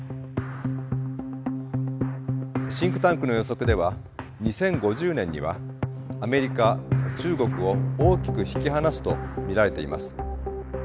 シンクタンクの予測では２０５０年にはアメリカ中国を大きく引き離すと見られています。